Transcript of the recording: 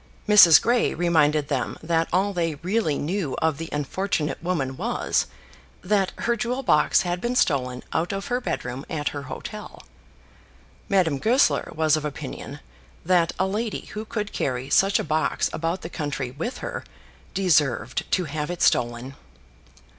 Mrs. Grey reminded them that all they really knew of the unfortunate woman was, that her jewel box had been stolen out of her bedroom at her hotel. Madame Goesler was of opinion that a lady who could carry such a box about the country with her deserved to have it stolen.